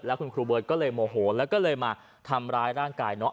คุณครูเบิร์ตก็เลยโมโหแล้วก็เลยมาทำร้ายร่างกายน้อง